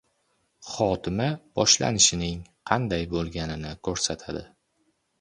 • Xotima boshlanishning qanday bo‘lganini ko‘rsatadi.